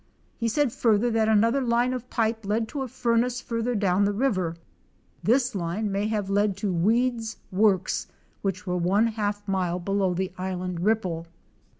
He said further that another line of pipe led to a furnace further down the river. This line may have led to Weed's works which were one half mile below the island ripple.